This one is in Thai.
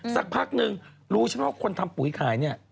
สักพักนึงรู้ใช่ไหมว่าคนทำปุ๋ยขายเนี่ย